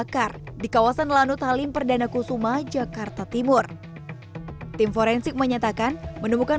kar di kawasan lanut halim perdana kusuma jakarta timur tim forensik menyatakan menemukan